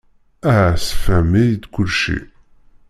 Aha ssefhem-iyi-d kullci.